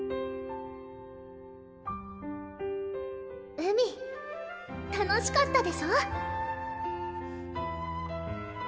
海楽しかったでしょ？